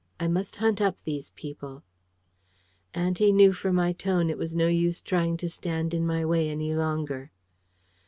I must hunt up these people." Auntie knew from my tone it was no use trying to stand in my way any longer.